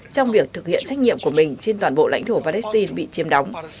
trong việc thực hiện trách nhiệm của mình trên toàn bộ lãnh thổ palestine bị chiếm đóng